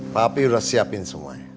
papi udah siapin semuanya